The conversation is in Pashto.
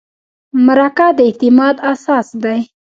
مرکه د اعتماد اساس دی.